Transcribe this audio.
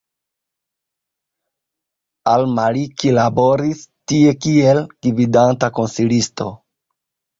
Al-Maliki laboris tie kiel gvidanta konsilisto.